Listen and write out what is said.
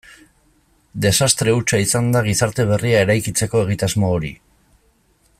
Desastre hutsa izan da gizarte berria eraikitzeko egitasmo hori.